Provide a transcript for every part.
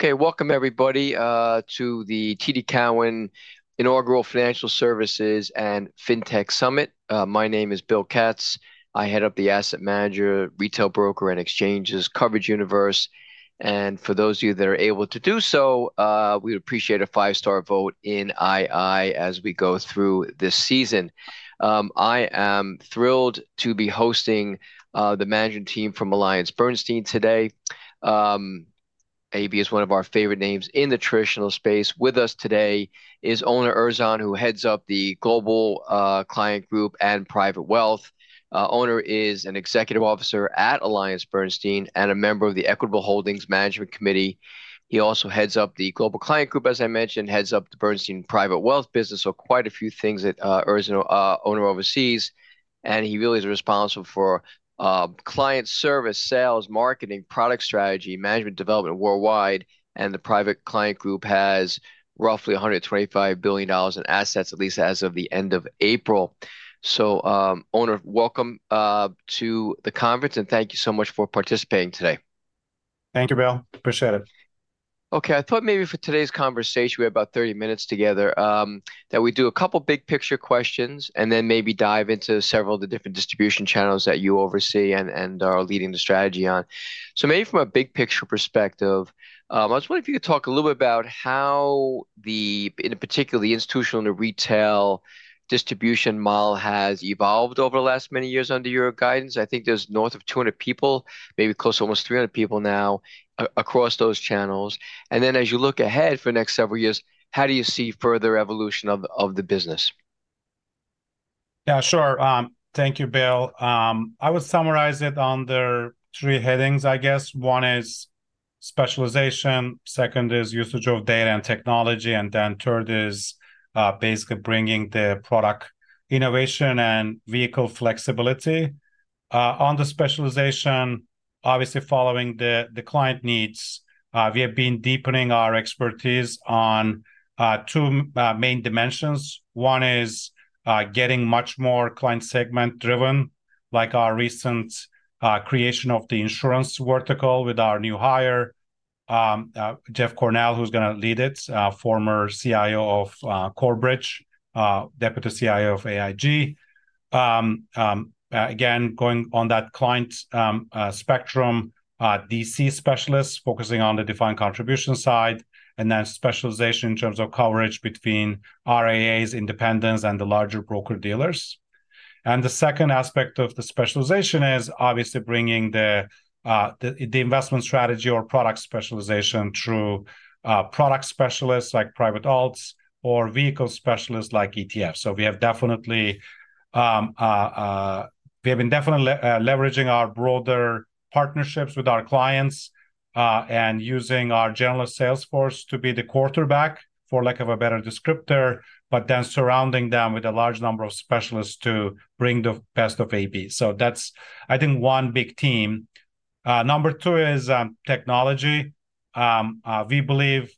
Okay, welcome everybody, to the TD Cowen Inaugural Financial Services and FinTech Summit. My name is Bill Katz. I head up the Asset Manager, Retail Broker, and Exchanges Coverage Universe. For those of you that are able to do so, we'd appreciate a five-star vote in II as we go through this season. I am thrilled to be hosting the management team from AllianceBernstein today. AB is one of our favorite names in the traditional space. With us today is Onur Erzan, who heads up the Global Client Group and Private Wealth. Onur is an Executive Officer at AllianceBernstein and a member of the Equitable Holdings Management Committee. He also heads up the global client group, as I mentioned, heads up the Bernstein Private Wealth business. So quite a few things that Erzan, Onur oversees. He really is responsible for client service, sales, marketing, product strategy, management development worldwide. The private client group has roughly $125 billion in assets, at least as of the end of April. Onur, welcome to the conference, and thank you so much for participating today. Thank you, Bill. Appreciate it. Okay, I thought maybe for today's conversation, we have about 30 minutes together, that we do a couple big picture questions and then maybe dive into several of the different distribution channels that you oversee and, and are leading the strategy on. So maybe from a big picture perspective, I just wonder if you could talk a little bit about how the, in particular, the institutional and the retail distribution model has evolved over the last many years under your guidance. I think there's north of 200 people, maybe close to almost 300 people now across those channels. And then as you look ahead for the next several years, how do you see further evolution of, of the business? Yeah, sure. Thank you, Bill. I would summarize it under three headings, I guess. One is specialization, second is usage of data and technology, and then third is, basically bringing the product innovation and vehicle flexibility. On the specialization, obviously following the, the client needs, we have been deepening our expertise on, two, main dimensions. One is, getting much more client segment driven, like our recent, creation of the insurance vertical with our new hire, Geoff Cornell, who's gonna lead it, former CIO of, Corebridge, Deputy CIO of AIG. Again, going on that client, spectrum, DC specialists focusing on the defined contribution side, and then specialization in terms of coverage between RAAs, independents, and the larger broker dealers. And the second aspect of the specialization is obviously bringing the, the, the investment strategy or product specialization through, product specialists like private alts or vehicle specialists like ETF. So we have definitely been leveraging our broader partnerships with our clients, and using our generalist salesforce to be the quarterback for lack of a better descriptor, but then surrounding them with a large number of specialists to bring the best of AB. So that's, I think, one big team. Number two is technology. We believe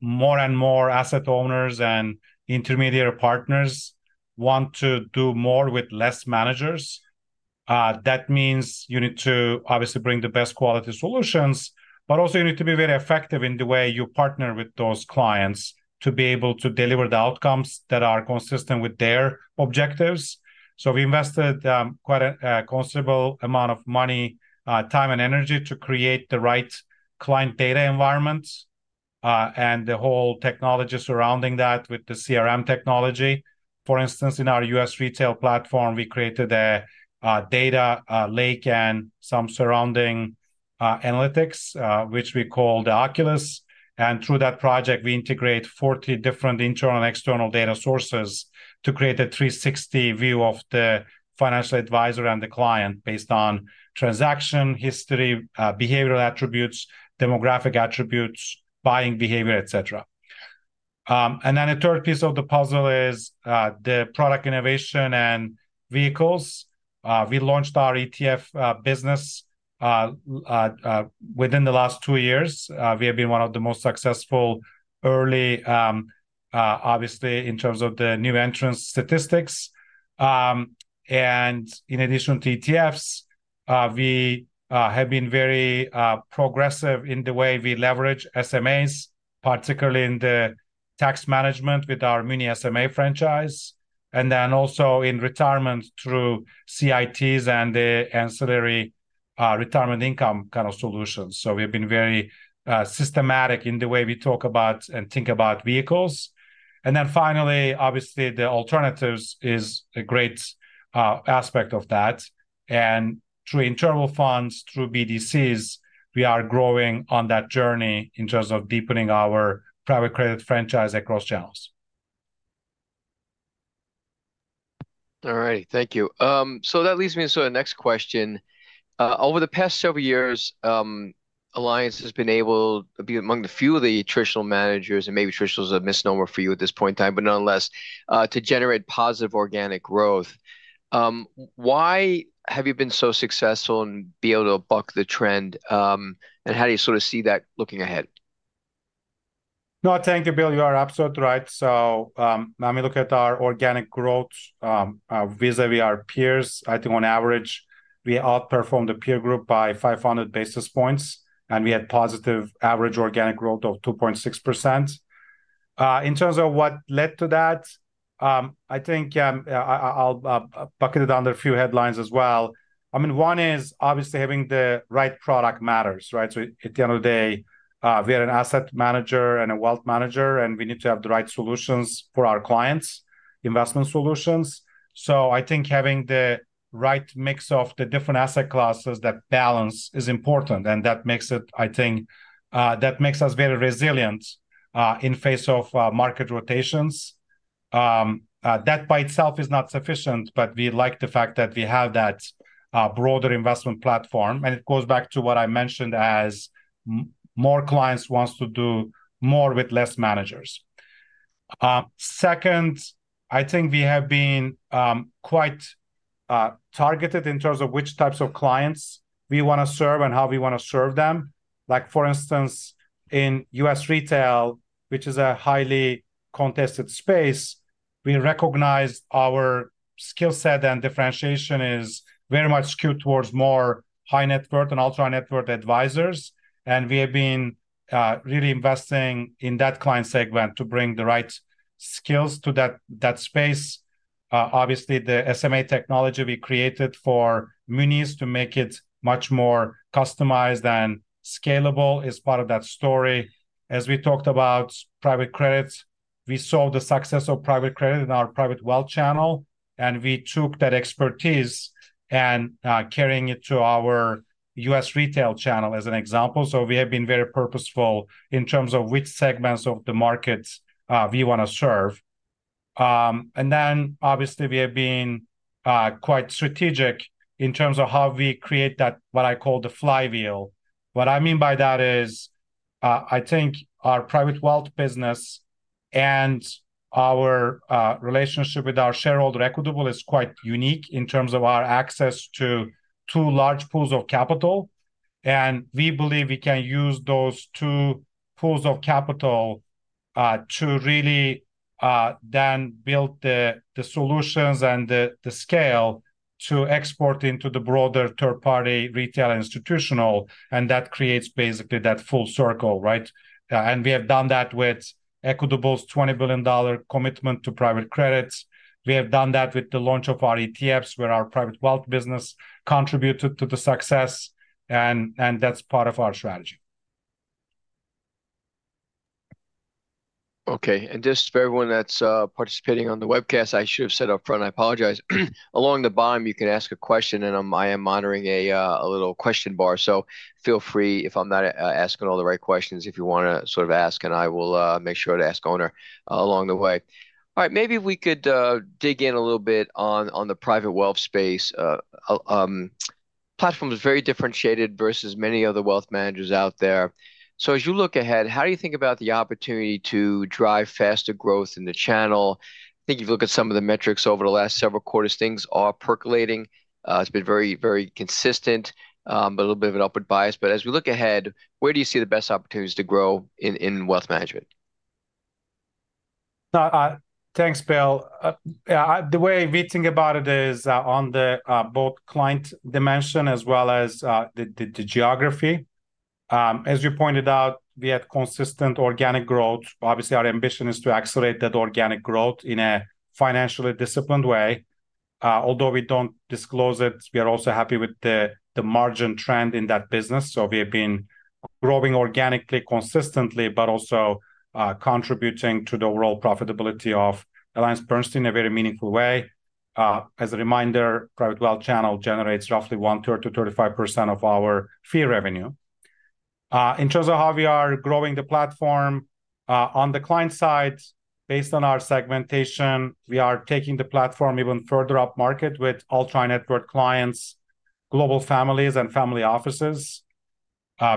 more and more asset owners and intermediary partners want to do more with less managers. That means you need to obviously bring the best quality solutions, but also you need to be very effective in the way you partner with those clients to be able to deliver the outcomes that are consistent with their objectives. So we invested quite a considerable amount of money, time and energy to create the right client data environments, and the whole technology surrounding that with the CRM technology. For instance, in our U.S. retail platform, we created a data lake and some surrounding analytics, which we call the Oculus. And through that project, we integrate 40 different internal and external data sources to create a 360 view of the financial advisor and the client based on transaction history, behavioral attributes, demographic attributes, buying behavior, et cetera. And then the third piece of the puzzle is the product innovation and vehicles. We launched our ETF business within the last two years. We have been one of the most successful early, obviously in terms of the new entrant statistics. And in addition to ETFs, we have been very progressive in the way we leverage SMAs, particularly in the tax management with our mini SMA franchise, and then also in retirement through CITs and the ancillary retirement income kind of solutions. So we've been very systematic in the way we talk about and think about vehicles. Then finally, obviously the alternatives is a great aspect of that. Through internal funds, through BDCs, we are growing on that journey in terms of deepening our private credit franchise across channels. All right, thank you. So that leads me to the next question. Over the past several years, Alliance has been able to be among the few of the traditional managers, and maybe traditional is a misnomer for you at this point in time, but nonetheless, to generate positive organic growth. Why have you been so successful and be able to buck the trend? And how do you sort of see that looking ahead? No, thank you, Bill. You are absolutely right. So, when we look at our organic growth, vis-à-vis our peers, I think on average we outperform the peer group by 500 basis points, and we had positive average organic growth of 2.6%. In terms of what led to that, I think, I'll, bucket it under a few headlines as well. I mean, one is obviously having the right product matters, right? So at the end of the day, we are an asset manager and a wealth manager, and we need to have the right solutions for our clients, investment solutions. So I think having the right mix of the different asset classes, that balance is important, and that makes it, I think, that makes us very resilient, in face of, market rotations. That by itself is not sufficient, but we like the fact that we have that broader investment platform, and it goes back to what I mentioned as more clients want to do more with less managers. Second, I think we have been quite targeted in terms of which types of clients we want to serve and how we want to serve them. Like, for instance, in U.S. retail, which is a highly contested space, we recognize our skill set and differentiation is very much skewed towards more high net worth and ultra net worth advisors. We have been really investing in that client segment to bring the right skills to that space. Obviously, the SMA technology we created for munis to make it much more customized and scalable is part of that story. As we talked about private credit, we saw the success of private credit in our private wealth channel, and we took that expertise and carrying it to our U.S. retail channel as an example. So we have been very purposeful in terms of which segments of the market we want to serve. And then obviously we have been quite strategic in terms of how we create that, what I call the flywheel. What I mean by that is, I think our private wealth business and our relationship with our shareholder Equitable is quite unique in terms of our access to two large pools of capital. And we believe we can use those two pools of capital to really then build the solutions and the scale to export into the broader third-party retail institutional. And that creates basically that full circle, right? We have done that with Equitable's $20 billion commitment to private credit. We have done that with the launch of our ETFs where our private wealth business contributed to the success, and that's part of our strategy. Okay. And just for everyone that's participating on the webcast, I should have said upfront, I apologize. Along the bottom, you can ask a question, and I am monitoring a little question bar. So feel free if I'm not asking all the right questions, if you want to sort of ask, and I will make sure to ask Onur along the way. All right, maybe we could dig in a little bit on the private wealth space. Platform is very differentiated versus many other wealth managers out there. So as you look ahead, how do you think about the opportunity to drive faster growth in the channel? I think you've looked at some of the metrics over the last several quarters. Things are percolating. It's been very, very consistent, but a little bit of an upward bias. As we look ahead, where do you see the best opportunities to grow in wealth management? No, thanks, Bill. Yeah, the way we think about it is, on the both client dimension as well as the geography. As you pointed out, we had consistent organic growth. Obviously, our ambition is to accelerate that organic growth in a financially disciplined way. Although we don't disclose it, we are also happy with the margin trend in that business. So we have been growing organically, consistently, but also contributing to the overall profitability of AllianceBernstein in a very meaningful way. As a reminder, private wealth channel generates roughly 13%-15% of our fee revenue. In terms of how we are growing the platform, on the client side, based on our segmentation, we are taking the platform even further up market with ultra net worth clients, global families, and family offices.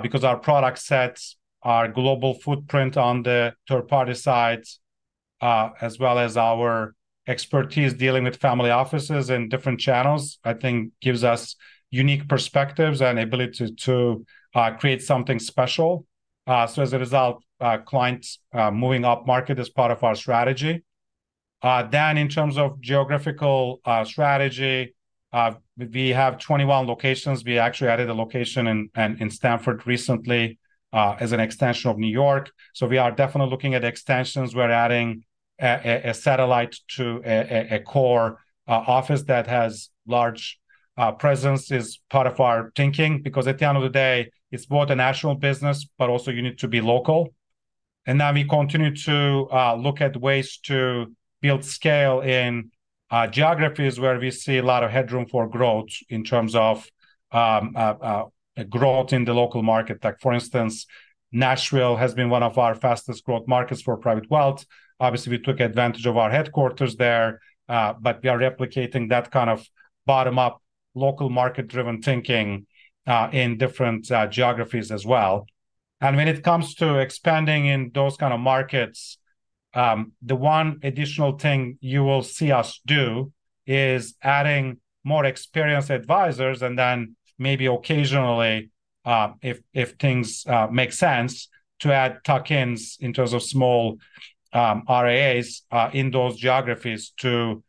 Because our product sets are global footprint on the third-party side, as well as our expertise dealing with family offices and different channels, I think gives us unique perspectives and ability to create something special. As a result, clients moving up market is part of our strategy. In terms of geographical strategy, we have 21 locations. We actually added a location in Stamford recently, as an extension of New York. So we are definitely looking at extensions. We're adding a satellite to a core office that has large presence is part of our thinking because at the end of the day, it's both a national business, but also you need to be local. Then we continue to look at ways to build scale in geographies where we see a lot of headroom for growth in terms of growth in the local market. Like for instance, Nashville has been one of our fastest growth markets for private wealth. Obviously, we took advantage of our headquarters there, but we are replicating that kind of bottom-up local market-driven thinking in different geographies as well. And when it comes to expanding in those kind of markets, the one additional thing you will see us do is adding more experienced advisors and then maybe occasionally, if things make sense to add tuck-ins in terms of small RAAs in those geographies to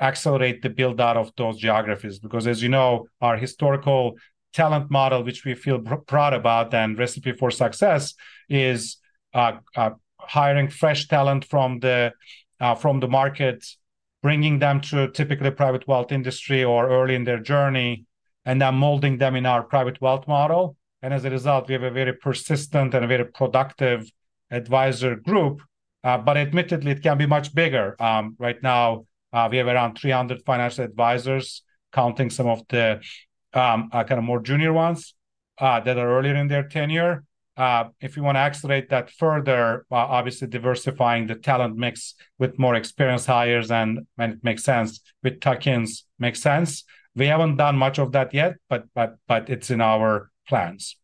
accelerate the build-out of those geographies. Because as you know, our historical talent model, which we feel proud about and recipe for success is, hiring fresh talent from the market, bringing them to typically private wealth industry or early in their journey, and then molding them in our private wealth model. As a result, we have a very persistent and a very productive advisor group. But admittedly, it can be much bigger. Right now, we have around 300 financial advisors, counting some of the kind of more junior ones that are earlier in their tenure. If you want to accelerate that further, obviously diversifying the talent mix with more experienced hires and it makes sense with tuck-ins makes sense. We haven't done much of that yet, but it's in our plans.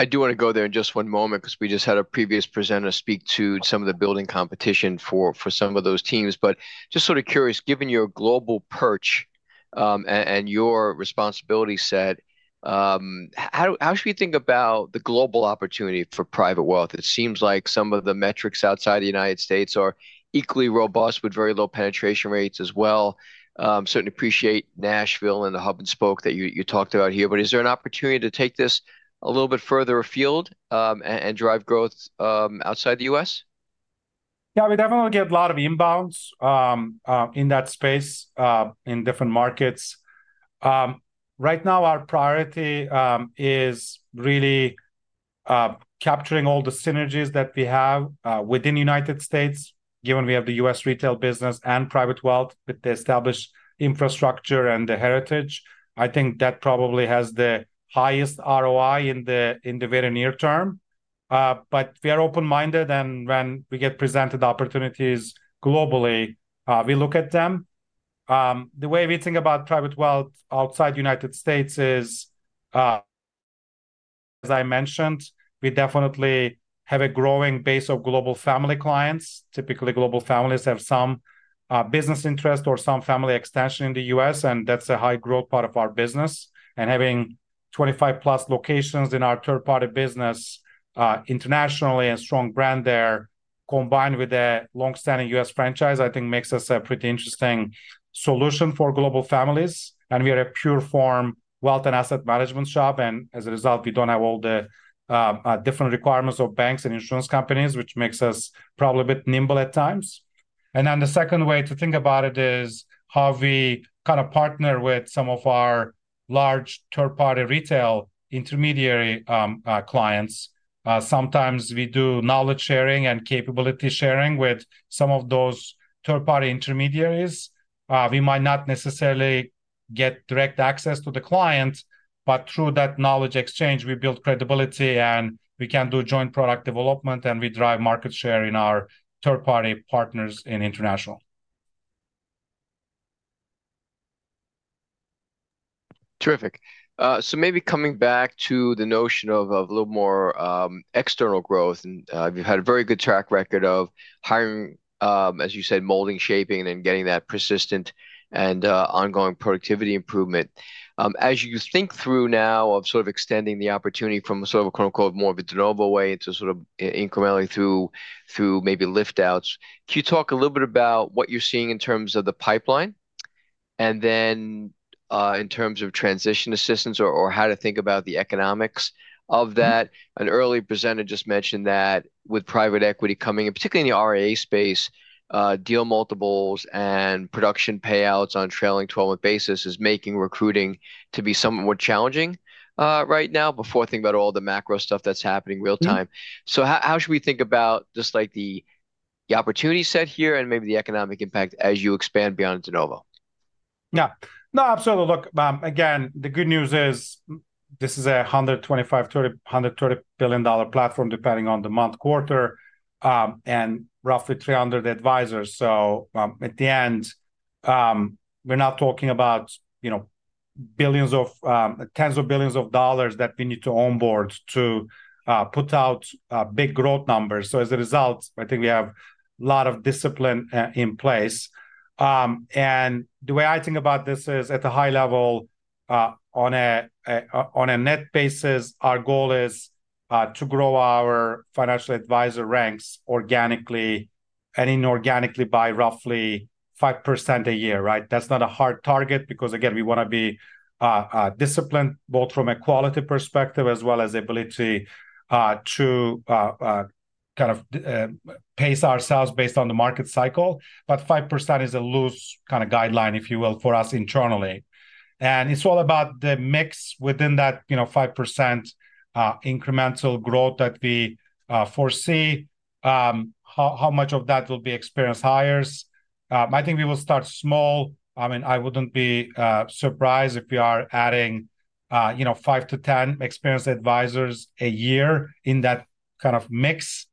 I do want to go there in just one moment because we just had a previous presenter speak to some of the building competition for, for some of those teams. But just sort of curious, given your global perch, and, and your responsibility set, how, how should we think about the global opportunity for private wealth? It seems like some of the metrics outside the United States are equally robust with very low penetration rates as well. Certainly appreciate Nashville and the hub and spoke that you, you talked about here. But is there an opportunity to take this a little bit further afield, and, and drive growth, outside the U.S.? Yeah, we definitely get a lot of inbounds, in that space, in different markets. Right now our priority is really capturing all the synergies that we have within the United States, given we have the U.S. retail business and private wealth with the established infrastructure and the heritage. I think that probably has the highest ROI in the very near term. But we are open-minded and when we get presented opportunities globally, we look at them. The way we think about private wealth outside the United States is, as I mentioned, we definitely have a growing base of global family clients. Typically, global families have some business interest or some family extension in the U.S., and that's a high growth part of our business. Having 25+ locations in our third-party business, internationally, and strong brand there combined with a long-standing U.S. franchise, I think makes us a pretty interesting solution for global families. We are a pure form wealth and asset management shop. As a result, we don't have all the different requirements of banks and insurance companies, which makes us probably a bit nimble at times. Then the second way to think about it is how we kind of partner with some of our large third-party retail intermediary clients. Sometimes we do knowledge sharing and capability sharing with some of those third-party intermediaries. We might not necessarily get direct access to the client, but through that knowledge exchange, we build credibility and we can do joint product development and we drive market share in our third-party partners in international. Terrific. So maybe coming back to the notion of, of a little more, external growth and, we've had a very good track record of hiring, as you said, molding, shaping, and getting that persistent and, ongoing productivity improvement. As you think through now of sort of extending the opportunity from a sort of a quote unquote more of a de novo way into sort of incrementally through, through maybe lift outs, can you talk a little bit about what you're seeing in terms of the pipeline and then, in terms of transition assistance or, or how to think about the economics of that? An early presenter just mentioned that with private equity coming in, particularly in the RAA space, deal multiples and production payouts on trailing 12-month basis is making recruiting to be somewhat more challenging, right now before thinking about all the macro stuff that's happening real time. How should we think about just like the opportunity set here and maybe the economic impact as you expand beyond de novo? Yeah, no, absolutely. Look, again, the good news is this is a $125 billion-$130 billion platform depending on the month, quarter, and roughly 300 advisors. So, at the end, we're not talking about, you know, billions of, tens of billions of dollars that we need to onboard to, put out, big growth numbers. So as a result, I think we have a lot of discipline in place. And the way I think about this is at a high level, on a, on a net basis, our goal is, to grow our financial advisor ranks organically and inorganically by roughly 5% a year, right? That's not a hard target because again, we want to be, disciplined both from a quality perspective as well as ability to kind of pace ourselves based on the market cycle. But 5% is a loose kind of guideline, if you will, for us internally. It's all about the mix within that, you know, 5% incremental growth that we foresee. How much of that will be experienced hires? I think we will start small. I mean, I wouldn't be surprised if we are adding, you know, 5-10 experienced advisors a year in that kind of mix.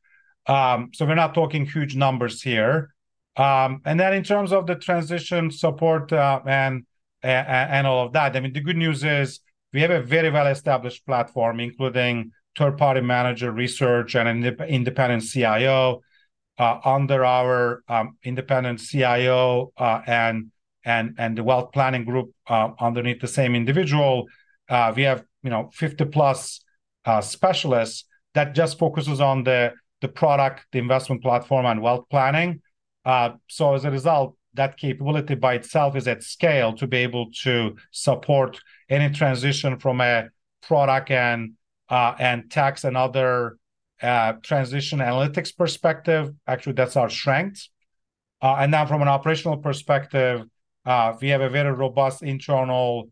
So we're not talking huge numbers here. And then in terms of the transition support, and all of that, I mean, the good news is we have a very well-established platform, including third-party manager research and an independent CIO under our independent CIO, and the wealth planning group, underneath the same individual. We have, you know, 50+ specialists that just focuses on the product, the investment platform, and wealth planning. As a result, that capability by itself is at scale to be able to support any transition from a product and, and tax and other, transition analytics perspective. Actually, that's our strength. Then from an operational perspective, we have a very robust internal,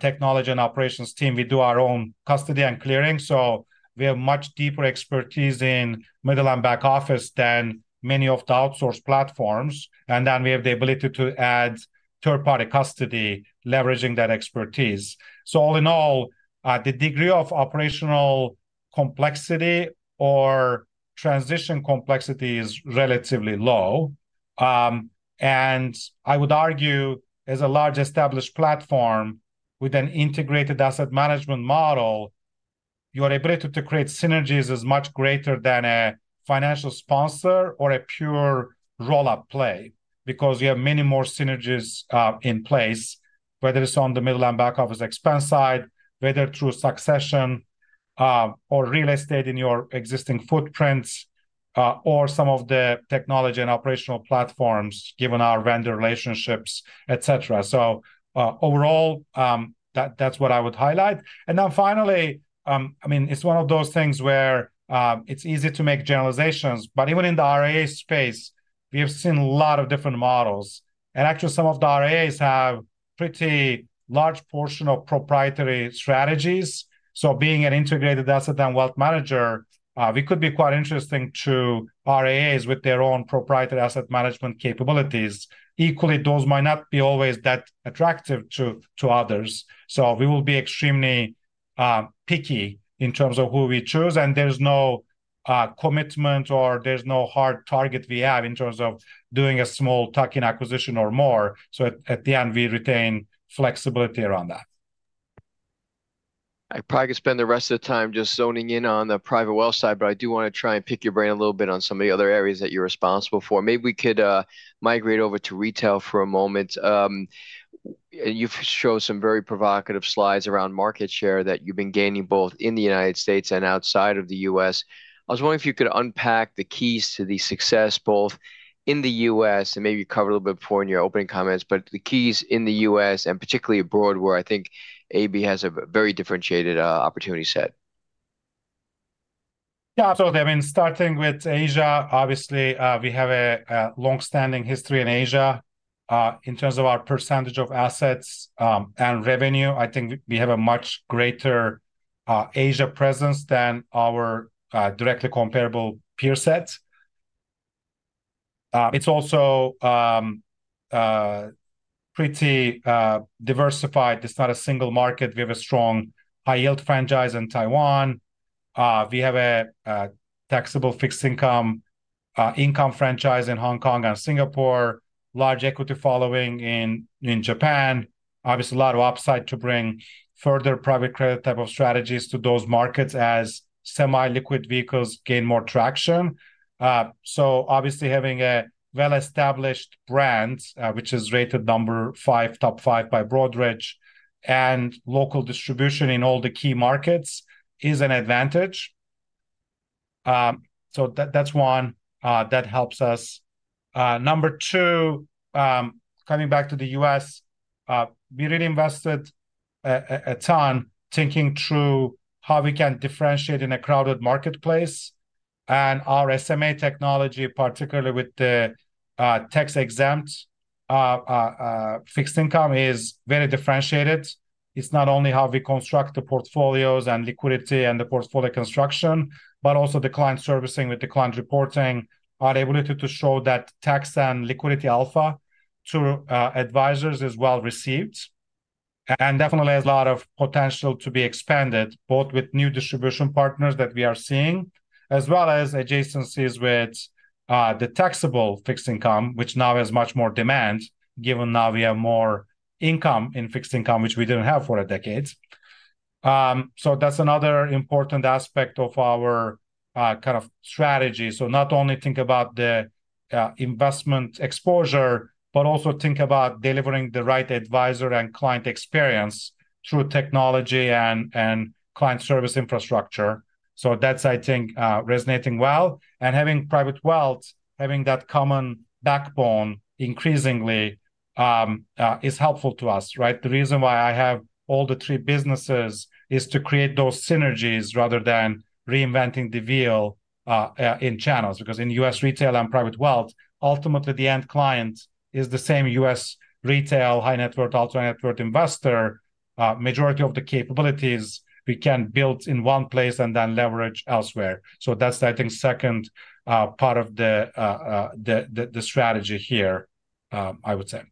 technology and operations team. We do our own custody and clearing. So we have much deeper expertise in middle and back office than many of the outsource platforms. Then we have the ability to add third-party custody, leveraging that expertise. All in all, the degree of operational complexity or transition complexity is relatively low. And I would argue as a large established platform with an integrated asset management model, your ability to create synergies is much greater than a financial sponsor or a pure roll-up play because you have many more synergies in place, whether it's on the middle and back office expense side, whether through succession, or real estate in your existing footprints, or some of the technology and operational platforms, given our vendor relationships, et cetera. So, overall, that, that's what I would highlight. And then finally, I mean, it's one of those things where, it's easy to make generalizations, but even in the RAA space, we have seen a lot of different models. And actually, some of the RAAs have pretty large portion of proprietary strategies. So being an integrated asset and wealth manager, we could be quite interesting to RAAs with their own proprietary asset management capabilities. Equally, those might not always be that attractive to others. So we will be extremely picky in terms of who we choose. And there's no commitment or there's no hard target we have in terms of doing a small tuck-in acquisition or more. So at the end, we retain flexibility around that. I probably could spend the rest of the time just zoning in on the private wealth side, but I do want to try and pick your brain a little bit on some of the other areas that you're responsible for. Maybe we could migrate over to retail for a moment. You've showed some very provocative slides around market share that you've been gaining both in the United States and outside of the U.S. I was wondering if you could unpack the keys to the success both in the U.S. and maybe you covered a little bit before in your opening comments, but the keys in the U.S. and particularly abroad where I think AB has a very differentiated opportunity set. Yeah, absolutely. I mean, starting with Asia, obviously, we have a long-standing history in Asia, in terms of our percentage of assets and revenue. I think we have a much greater Asia presence than our directly comparable peer sets. It's also pretty diversified. It's not a single market. We have a strong high-yield franchise in Taiwan. We have a taxable fixed income income franchise in Hong Kong and Singapore, large equity following in Japan. Obviously, a lot of upside to bring further private credit type of strategies to those markets as semi-liquid vehicles gain more traction. So obviously having a well-established brand, which is rated number five, top five by Broadridge and local distribution in all the key markets is an advantage. So that, that's one that helps us. Number two, coming back to the U.S., we really invested a ton thinking through how we can differentiate in a crowded marketplace. And our SMA technology, particularly with the tax-exempt fixed income is very differentiated. It's not only how we construct the portfolios and liquidity and the portfolio construction, but also the client servicing with the client reporting, our ability to show that tax and liquidity alpha to advisors is well received. And definitely has a lot of potential to be expanded both with new distribution partners that we are seeing as well as adjacencies with the taxable fixed income, which now has much more demand given now we have more income in fixed income, which we didn't have for a decade. So that's another important aspect of our kind of strategy. So not only think about the investment exposure, but also think about delivering the right advisor and client experience through technology and client service infrastructure. So that's, I think, resonating well. And having private wealth, having that common backbone increasingly, is helpful to us, right? The reason why I have all the three businesses is to create those synergies rather than reinventing the wheel, in channels. Because in U.S. retail and private wealth, ultimately the end client is the same U.S. retail, high net worth, ultra net worth investor. Majority of the capabilities we can build in one place and then leverage elsewhere. So that's, I think, the second part of the strategy here, I would say.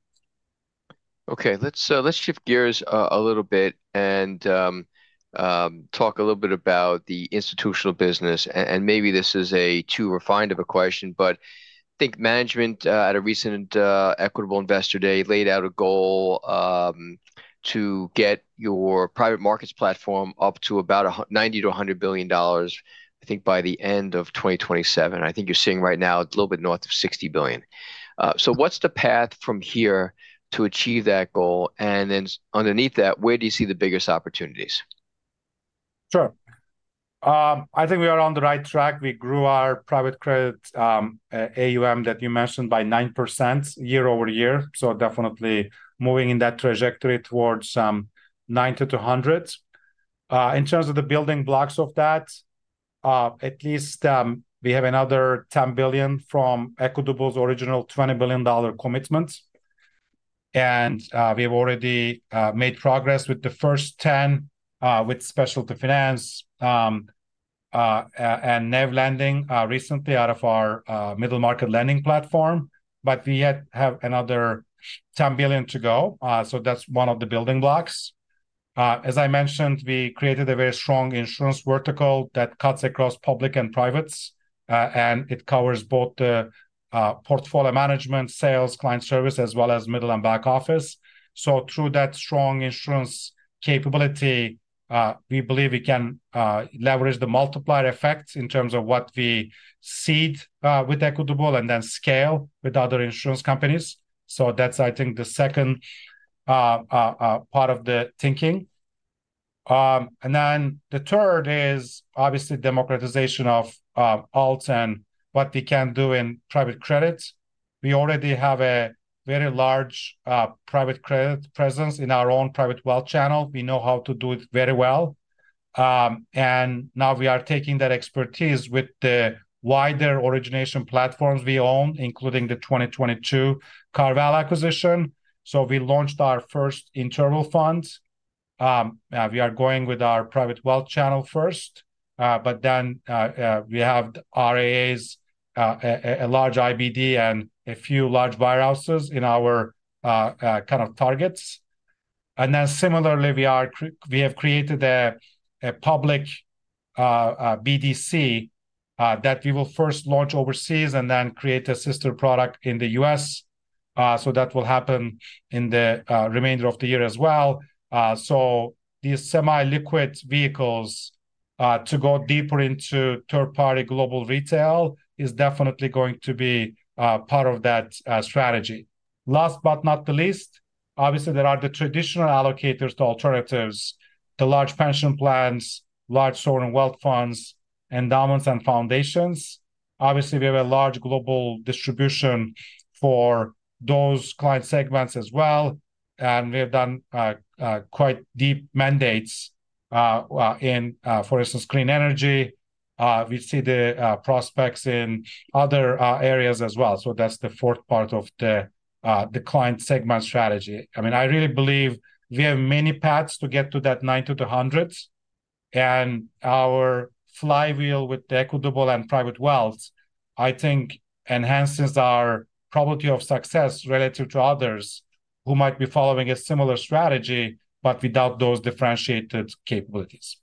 Okay, let's, let's shift gears a little bit and talk a little bit about the institutional business. And, and maybe this is a too refined of a question, but I think management at a recent Equitable Investor Day laid out a goal to get your private markets platform up to about $90 billion-$100 billion. I think you're seeing right now a little bit north of $60 billion. So what's the path from here to achieve that goal? And then underneath that, where do you see the biggest opportunities? Sure. I think we are on the right track. We grew our private credit AUM that you mentioned by 9% year-over-year. So definitely moving in that trajectory towards some $90 billion-$100 billion. In terms of the building blocks of that, at least, we have another $10 billion from Equitable's original $20 billion commitment. And, we have already, made progress with the first $10 billion, with specialty finance, and new lending, recently out of our, middle market lending platform, but we yet have another $10 billion to go. So that's one of the building blocks. As I mentioned, we created a very strong insurance vertical that cuts across public and privates, and it covers both the, portfolio management, sales, client service, as well as middle and back office. So through that strong insurance capability, we believe we can leverage the multiplier effect in terms of what we seed with Equitable and then scale with other insurance companies. So that's, I think, the second part of the thinking. Then the third is obviously democratization of Alt and what we can do in private credit. We already have a very large private credit presence in our own private wealth channel. We know how to do it very well. Now we are taking that expertise with the wider origination platforms we own, including the 2022 CarVal acquisition. So we launched our first internal fund. We are going with our private wealth channel first, but then we have RIAs, a large IBD and a few large wirehouses in our kind of targets. And then similarly, we are, we have created a public BDC that we will first launch overseas and then create a sister product in the US. So that will happen in the remainder of the year as well. So these semi-liquid vehicles to go deeper into third-party global retail is definitely going to be part of that strategy. Last but not the least, obviously there are the traditional allocators to alternatives, the large pension plans, large sovereign wealth funds, endowments, and foundations. Obviously, we have a large global distribution for those client segments as well. And we have done quite deep mandates in, for instance, green energy. We see the prospects in other areas as well. So that's the fourth part of the client segment strategy. I mean, I really believe we have many paths to get to that 90-100. Our flywheel with the Equitable and private wealth, I think, enhances our probability of success relative to others who might be following a similar strategy, but without those differentiated capabilities.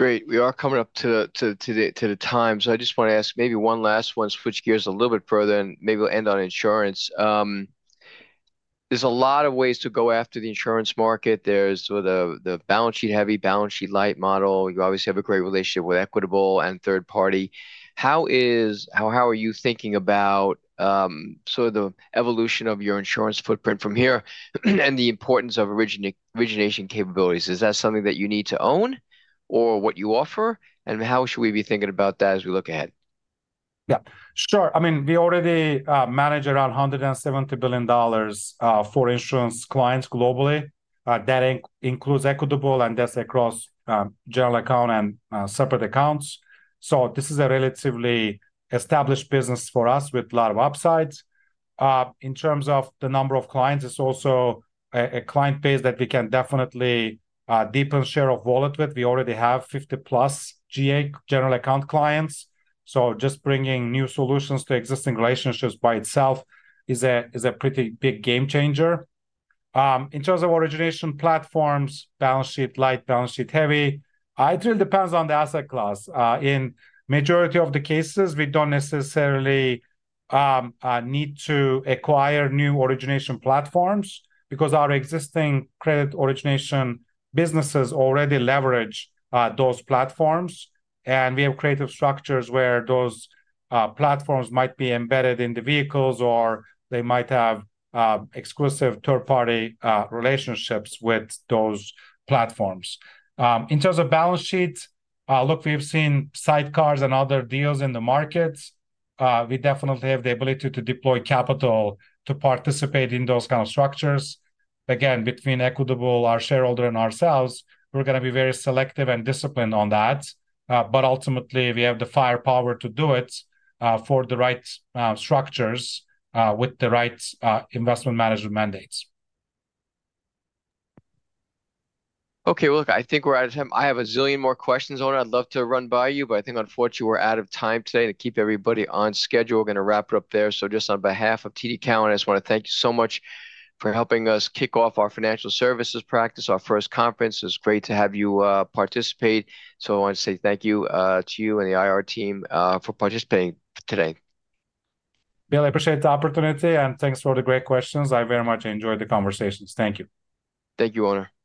Great. We are coming up to the time. So I just want to ask maybe one last one, switch gears a little bit further and maybe we'll end on insurance. There's a lot of ways to go after the insurance market. There's sort of the balance sheet heavy, balance sheet light model. You obviously have a great relationship with Equitable and third party. How are you thinking about, sort of the evolution of your insurance footprint from here and the importance of origination capabilities? Is that something that you need to own or what you offer? And how should we be thinking about that as we look ahead? Yeah, sure. I mean, we already manage around $170 billion for insurance clients globally. That includes Equitable and that's across general account and separate accounts. So this is a relatively established business for us with a lot of upsides. In terms of the number of clients, it's also a client base that we can definitely deepen share of wallet with. We already have 50+ GA general account clients. So just bringing new solutions to existing relationships by itself is a pretty big game changer. In terms of origination platforms, balance sheet light, balance sheet heavy, I think it depends on the asset class. In majority of the cases, we don't necessarily need to acquire new origination platforms because our existing credit origination businesses already leverage those platforms. We have creative structures where those platforms might be embedded in the vehicles or they might have exclusive third party relationships with those platforms. In terms of balance sheet, look, we've seen sidecars and other deals in the markets. We definitely have the ability to deploy capital to participate in those kind of structures. Again, between Equitable, our shareholder, and ourselves, we're going to be very selective and disciplined on that. But ultimately we have the firepower to do it for the right structures with the right investment management mandates. Okay, well, look, I think we're out of time. I have a zillion more questions, Onur. I'd love to run by you, but I think unfortunately we're out of time today to keep everybody on schedule. We're going to wrap it up there. So just on behalf of TD Cowen, I just want to thank you so much for helping us kick off our financial services practice, our first conference. It's great to have you participate. So I want to say thank you to you and the IR team for participating today. Bill, I appreciate the opportunity and thanks for the great questions. I very much enjoyed the conversations. Thank you. Thank you, Onur. Bye-bye.